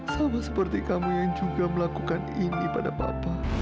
sama seperti kamu yang juga melakukan ini pada papa